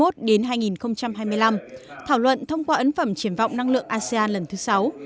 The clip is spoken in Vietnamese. thảo luận thông qua ấn phẩm triển vọng năng lượng asean lần thứ sáu